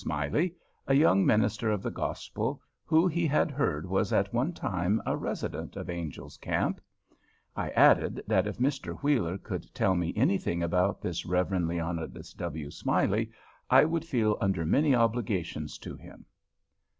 _ Smiley, a young minister of the Gospel, who he had heard was at one time a resident of Angel's Camp. I added that if Mr. Wheeler could tell me anything about this Rev. Leonidas W. Smiley, I would feel under many obligations to him.